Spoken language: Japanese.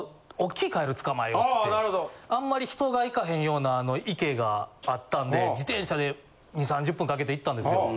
あんまり人が行かへんような池があったんで自転車で２０３０分かけて行ったんですよ。